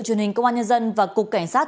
truyền hình công an nhân dân và cục cảnh sát